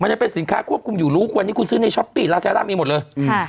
ยังเป็นสินค้าควบคุมอยู่รู้วันนี้คุณซื้อในช้อปปี้ลาซาร่ามีหมดเลยค่ะ